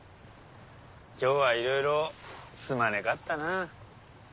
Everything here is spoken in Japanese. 今日はいろいろすまねがったな。